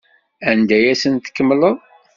Anda ay asen-tkemmleḍ?